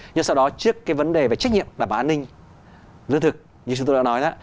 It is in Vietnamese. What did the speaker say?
nhưng sau đó trước cái vấn đề về trách nhiệm đảm bảo an ninh lương thực như chúng tôi đã nói đó